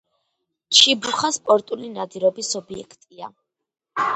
ჩიბუხა სპორტული ნადირობის ობიექტია.